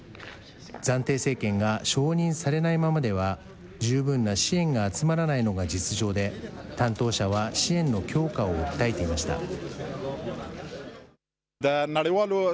暫定政権が承認されないままでは、十分な支援が集まらないのが実情で、担当者は支援の強化を訴えていました。